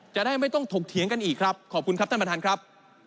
จะได้ไม่ต้องถกเถียงกันอีกครับขอบคุณครับท่านประธานครับ